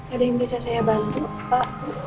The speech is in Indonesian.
ada yang bisa saya bantu pak